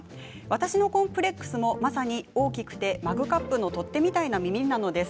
私のコンプレックスもまさに大きくてマグカップの取っ手みたいな耳なのです。